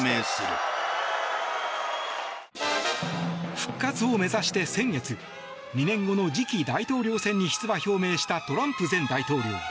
復活を目指して、先月２年後の次期大統領選に出馬表明したトランプ前大統領。